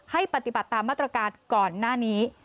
ปฏิบัติตามมาตรการก่อนหน้านี้